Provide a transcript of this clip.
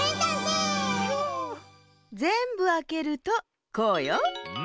ぜんぶあけるとこうよ。